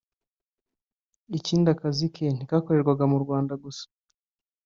Ikindi akazi ke ntikakorerwaga mu Rwanda gusa